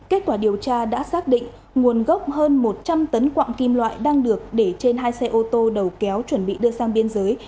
kết quả điều tra đã xác định nguồn gốc hơn một trăm linh tấn quạng kim loại đang được để trên hai xe ô tô đầu kéo chuẩn bị đưa sang biên giới